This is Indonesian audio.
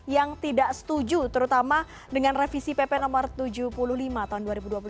yang tidak setuju terutama dengan revisi pp no tujuh puluh lima tahun dua ribu dua puluh satu